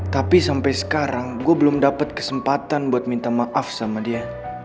tapi sampai sekarang gue belum dapat kesempatan buat minta maaf sama dia